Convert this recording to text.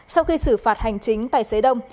sau khi xử phạt hành chính tài xế đông